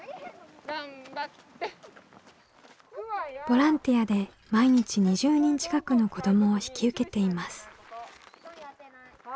ボランティアで毎日２０人近くの子どもを引き受けています。